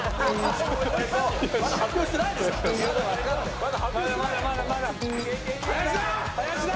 まだまだまだまだ！林田！